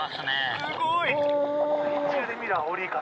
すごい。